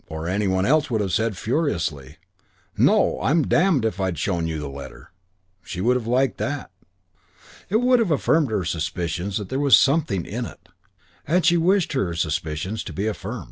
Or any one else would have said furiously, "No, I'm damned if I'd have shown you the letter." She would have liked that. It would have affirmed her suspicions that there was "something in it"; and she wished her suspicions to be affirmed.